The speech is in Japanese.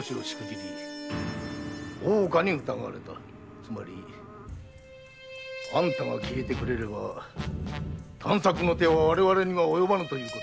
つまりあんたが消えてくれれば探索は我々には及ばぬということだ。